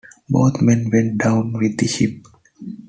Both men went down with the ship.